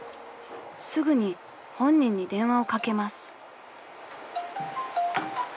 ［すぐに本人に電話をかけます］